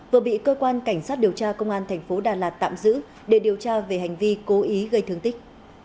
vừa bị cơ quan cảnh sát điều tra công an thành phố đà lạt tạm giữ để điều tra về hành vi cố ý gây thương tích